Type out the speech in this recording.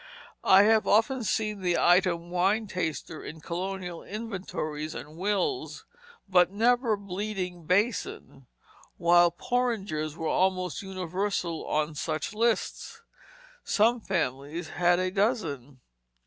I have often seen the item wine taster in colonial inventories and wills, but never bleeding basin; while porringers were almost universal on such lists. Some families had a dozen.